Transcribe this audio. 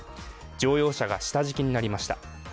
乗用車が下敷きになりました。